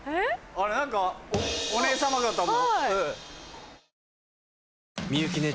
あれ何かお姉さま方も。